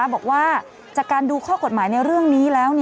บอกว่าจากการดูข้อกฎหมายในเรื่องนี้แล้ว